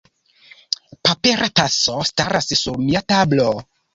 Papera taso staras sur mia tablo.